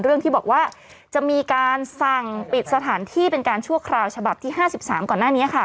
เรื่องที่บอกว่าจะมีการสั่งปิดสถานที่เป็นการชั่วคราวฉบับที่๕๓ก่อนหน้านี้ค่ะ